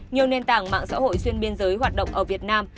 nhiều nền tảng mạng xã hội xuyên biên giới hoạt động ở việt nam